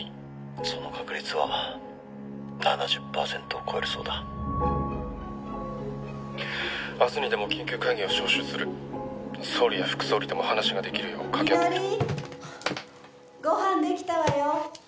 その確率は７０％を超えるそうだ明日にでも緊急会議を招集する総理や副総理とも話ができるよう実梨ご飯できたわよ